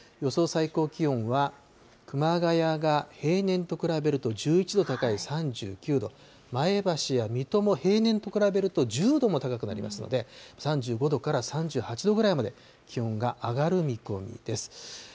最高気温は熊谷が平年と比べると１１度高い３９度、前橋や水戸も平年と比べると１０度も高くなりますので、３５度から３８度ぐらいまで気温が上がる見込みです。